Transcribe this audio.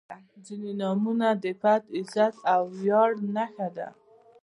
• ځینې نومونه د پت، عزت او ویاړ نښه ده.